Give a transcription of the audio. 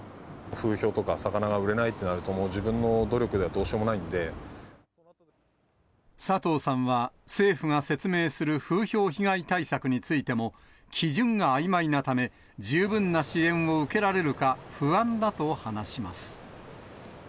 風評とか、魚が売れないってなると、もう自分の努力ではどうしようもないん佐藤さんは、政府が説明する風評被害対策についても、基準があいまいなため、十分な支援を受けられるか不安だと話します。